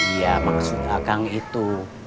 iya maksud akang itu